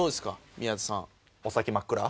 宮田さん。